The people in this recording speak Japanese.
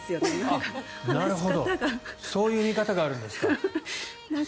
そういう見方があるんですか。